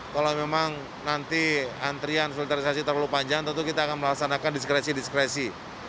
kalau memang nanti antrian filterisasi terlalu panjang tentu kita akan melaksanakan diskresi diskresi